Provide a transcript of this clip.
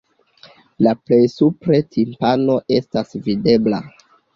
La plej supre timpano estas videbla.